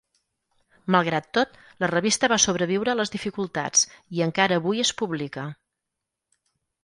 Malgrat tot, la revista va sobreviure a les dificultats, i encara avui es publica.